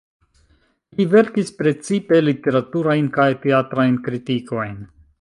Li verkis precipe literaturajn kaj teatrajn kritikojn.